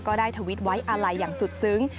ก็ได้ทวิตส์ไว้อะไรอย่างสุดซึ้ง